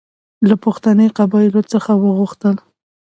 له پښتني قبایلو څخه وغوښتل.